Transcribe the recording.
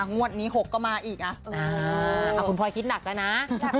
อ่าหมวดนี้หกก็มาอีกอ่ะอือ้าคุณพลอยคิดหนักแล้วนะหนักหนัก